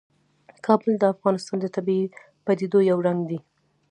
کابل د افغانستان د طبیعي پدیدو یو رنګ دی.